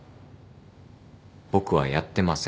僕はやってません。